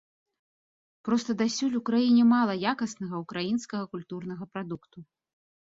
Проста дасюль у краіне мала якаснага ўкраінскага культурнага прадукту.